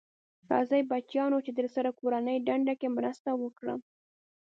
راځی بچیانو چې درسره کورنۍ دنده کې مرسته وکړم.